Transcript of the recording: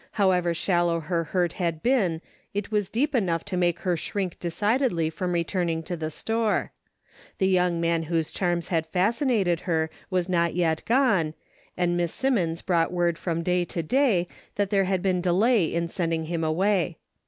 However shallow her hurt had been it was deep enough to make her shrink decidedly from returning to the store. The young man whose charms had fascinated her was not yet gone, and Miss Simmons brought word from day to day that there had been delay in sending him away.